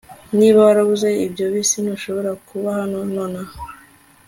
Niba warabuze iyo bisi ntushobora kuba hano nonaha